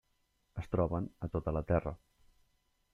Es troben a tota la Terra.